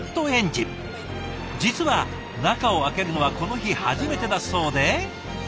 実は中を開けるのはこの日初めてだそうで。